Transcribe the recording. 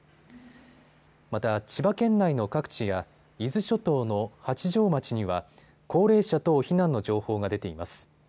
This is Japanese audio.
また千葉県内の各地や伊豆諸島の八丈町には高齢者等避難の情報が出ています。